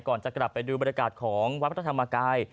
จะกลับไปดูบรรยากาศของวัดพระธรรมกาย